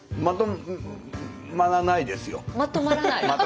まとまらないですよ。